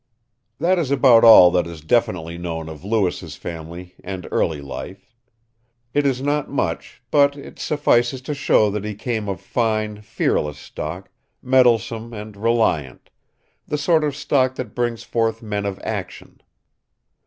That is about all that is definitely known of Lewis's family and early life. It is not much; but it suffices to show that he came of fine, fearless stock, mettlesome and reliant, the sort of stock that brings forth men of action.